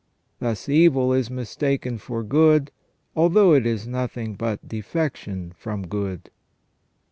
Thus evil is mistaken for good, although it is nothing but defection from good.